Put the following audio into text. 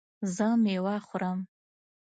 زه میوه خورم